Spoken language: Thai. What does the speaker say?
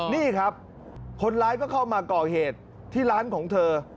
นี่ครับคนร้ายก็เข้ามาก่อเหตุที่ร้านของเธอ